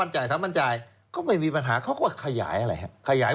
ก็ก็ไม่มีปัญหาเขาก็ขยาย